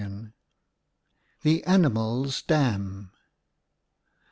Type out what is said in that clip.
THE ANIMALS' DAM.